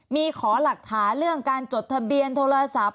มีขอหลักฐานเรื่องการจดทะเบียนโทรศัพท์